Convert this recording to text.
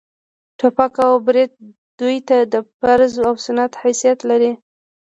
ټوپک او برېت دوى ته د فرض و سنت حيثيت لري.